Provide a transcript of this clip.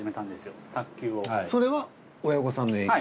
それは親御さんの影響？